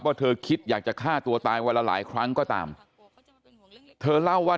เธอคิดอยากจะฆ่าตัวตายวันละหลายครั้งก็ตามเธอเล่าว่า